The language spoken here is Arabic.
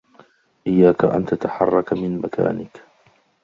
إيّاك أن تتحرّك من مكانك.